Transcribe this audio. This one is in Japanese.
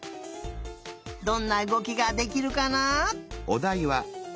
どんなうごきができるかな？